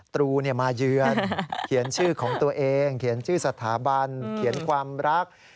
ตรูมาเยือนเขียนชื่อของตัวเองเขียนชื่อสถาบันเขียนความรัก